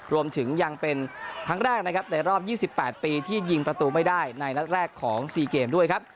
รวมถึงยังเป็นครั้งแรกนะครับในรอบ๒๘ปีที่ยิงประตูไม่ได้ในนัดแรกของ๔เกมด้วยครับ